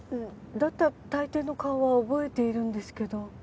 だったら大抵の顔は覚えているんですけど。